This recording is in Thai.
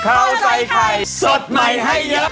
ข้าวใส่ไข่สดใหม่ให้เยอะ